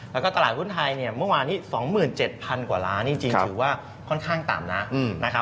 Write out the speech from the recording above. แล้วก็ตลาดหุ้นไทยเมื่อวานนี้๒๗๐๐๐กว่าล้านจริงคือว่าค่อนข้างต่ำนะ